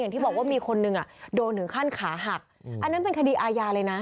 ที่บอกว่ามีคนหนึ่งโดนถึงขั้นขาหักอันนั้นเป็นคดีอาญาเลยนะ